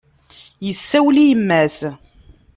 Yessawel i yemma-s.